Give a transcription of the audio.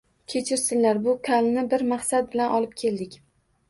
Kechirsinlar, bu kalni bir maqsad bilan olib keldik